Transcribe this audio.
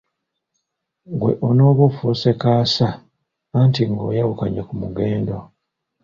Ggwe onooba ofuuse" kaasa" anti ng'oyawukanye ku mugendo.